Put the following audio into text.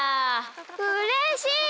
うれしい！